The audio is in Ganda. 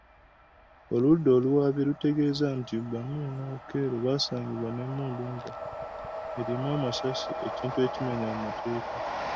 Oludda oluwaabi lutegeezezza nti Banuli ne Okello baasangibwa n'emmundu ng'erimu amasasi ekintu ekimenya amateeka.